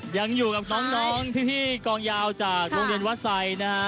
ยังอยู่กับน้องพี่กองยาวจากโรงเรียนวัดไซค์นะฮะ